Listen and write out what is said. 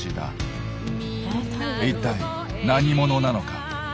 一体何者なのか？